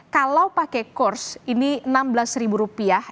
kalau pakai kurs ini enam belas rupiah